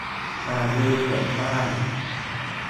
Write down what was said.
ตาลือตกบ้าน